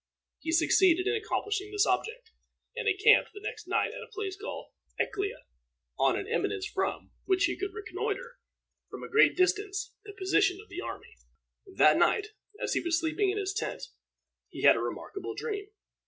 He succeeded in accomplishing this object, and encamped the next night at a place called Æcglea, on an eminence from which he could reconnoiter, from a great distance, the position of the army. That night, as he was sleeping in his tent, he had a remarkable dream.